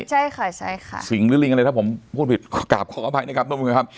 ใช่ค่ะใช่ค่ะสิงหรือลิงอะไรถ้าผมพูดผิดกราบขออภัยนะครับทุกผู้ชมครับ